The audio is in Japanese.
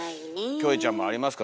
キョエちゃんもありますか？